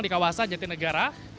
di kawasan jati negara